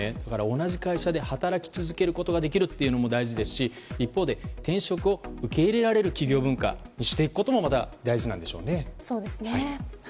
同じ会社で働き続けることができるのも大事ですし一方で、転職を受け入れられる企業文化にしていくこともまた大事なんでしょうね。